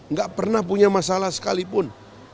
nggak pernah punya masalah sekalipun